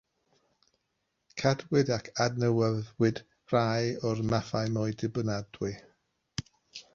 Cadwyd ac adnewyddwyd rhai o'r mathau mwy dibynadwy.